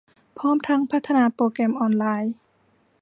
พร้อมทั้งพัฒนาโปรแกรมออนไลน์